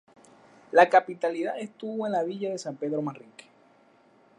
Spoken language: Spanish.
La capitalidad estuvo en la villa de San Pedro Manrique.